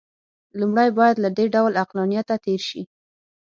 لومړی باید له دې ډول عقلانیته تېر شي.